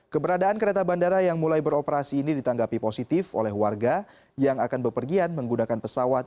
keberadaan kereta bandara yang mulai beroperasi ini ditanggapi positif oleh warga yang akan bepergian menggunakan pesawat